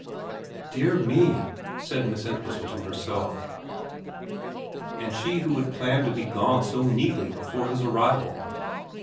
' Dear me,' said Miss Entwhistle to herself, and she who had planned to be gone so neatly before his arrival